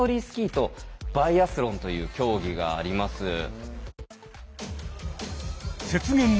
スキーとバイアスロンという競技があります。